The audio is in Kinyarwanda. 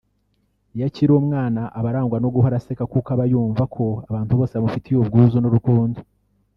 Iyo akiri umwana aba arangwa no guhora aseka kuko abayumva ko abantu bose bamufitiye ubwuzu n’urukundo